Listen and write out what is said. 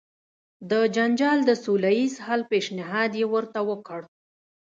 د جنجال د سوله ایز حل پېشنهاد یې ورته وکړ.